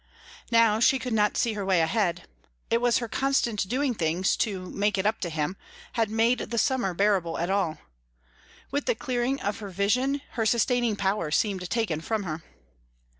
Now she could not see her way ahead. It was her constant doing things to "make it up to him" had made the summer bearable at all. With the clearing of her vision her sustaining power seemed taken from her.